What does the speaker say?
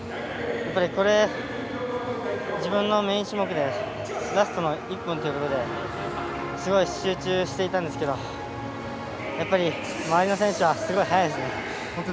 自分のメイン種目でラストの１本ということですごい集中してたんですけどやっぱり周りの選手はすごい速いですね。